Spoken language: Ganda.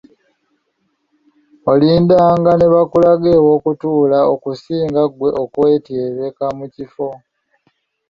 Olindanga nebakulaga awokutuula okusinga gwe okwetyebeka mu kifo.